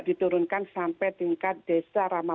diturunkan sampai tingkat desa ramah